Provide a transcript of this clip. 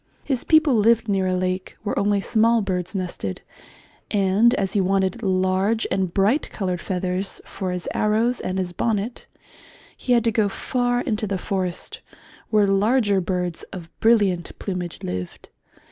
His people lived near a lake where only small birds nested, and as he wanted large and bright coloured feathers for his arrows and his bonnet he had to go far into the forest, where larger birds of brilliant plumage lived.